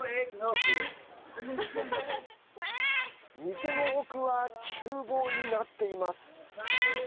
店の奥はちゅう房になっています。